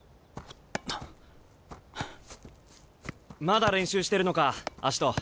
まだ練習してるのかアシト。